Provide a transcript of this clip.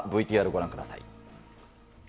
ＶＴＲご覧ください。